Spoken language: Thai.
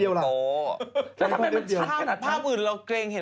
แล้วทำไมมันช่างภาพอื่นเราเกรงเห็น